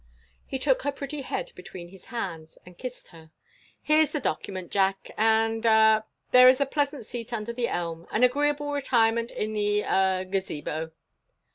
He took her pretty head between his hands, and kissed her. "Here 's the document, Jack; and—ah—there is a pleasant seat under the elm; and agreeable retirement in the—ah—Gazebo."